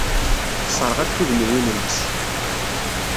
Sserɣ akk tugniwin-nnes!